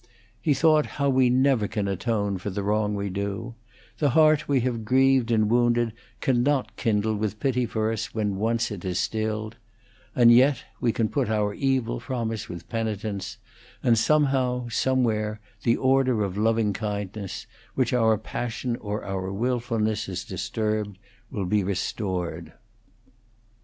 He thought how we never can atone for the wrong we do; the heart we have grieved and wounded cannot kindle with pity for us when once it is stilled; and yet we can put our evil from us with penitence, and somehow, somewhere, the order of loving kindness, which our passion or our wilfulness has disturbed, will be restored.